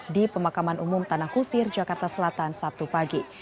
di pemakaman umum tanah kusir jakarta selatan sabtu pagi